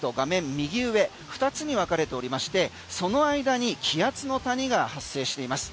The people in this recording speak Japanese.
右上２つにわかれておりましてその間に気圧の谷が発生しています。